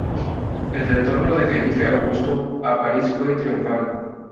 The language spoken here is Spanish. El retorno de Felipe Augusto a París fue triunfal.